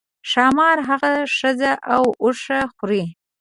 ښامار هغه ښځه او اوښ خوري.